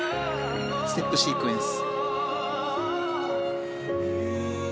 ステップシークエンス。